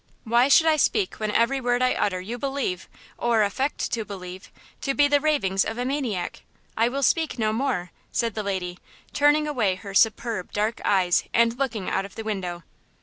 "Why should I speak when every word I utter you believe, or affect to believe, to be the ravings of a maniac? I will speak no more," said the lady, turning away her superb dark eyes and looking out of the window.